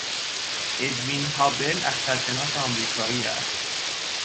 ادوین هابل اخترشناس آمریکایی است.